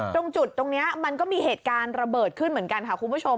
ตรงจุดตรงนี้มันก็มีเหตุการณ์ระเบิดขึ้นเหมือนกันค่ะคุณผู้ชม